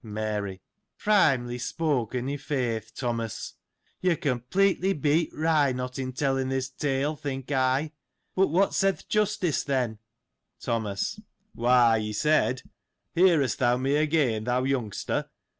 Mary. — Primely spoken, i' faith ! Thomas ! you completely beat Wrynot^ in telling this tale, think I : but what said th' Justice, then ? Thomas. — Why, he said : Hearest thou me again, thou young ster